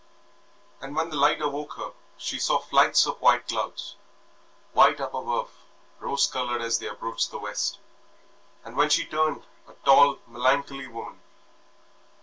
And when the light awoke her she saw flights of white clouds white up above, rose coloured as they approached the west; and when she turned, a tall, melancholy woman.